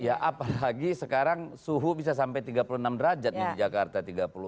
ya apalagi sekarang suhu bisa sampai tiga puluh enam derajat di jakarta